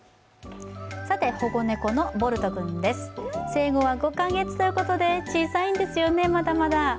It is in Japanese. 保護猫のボルト君です、生後は５カ月ということで小さいんですよね、まだまだ。